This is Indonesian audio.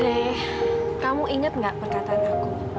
dewi kamu ingat gak perkataan aku